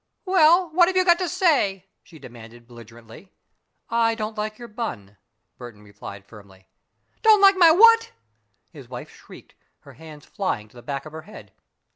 "Well, what have you got to say?" she demanded, belligerently. "I don't like your bun," Burton said firmly. "Don't like my what?" his wife shrieked, her hands flying to the back of her head.